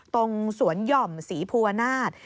ตรงสวนหย่อมศรีภูวนาศ